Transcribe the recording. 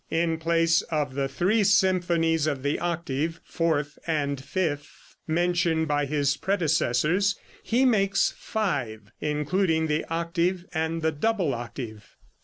In place of the three symphonies of the octave, fourth and fifth, mentioned by his predecessors, he makes five, including the octave and the double octave.